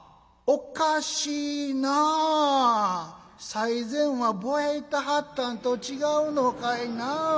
最前はぼやいたはったんと違うのかいなあ。